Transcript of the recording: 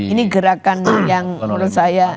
ini gerakan yang menurut saya